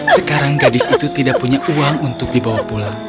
sekarang gadis itu tidak punya uang untuk dibawa pulang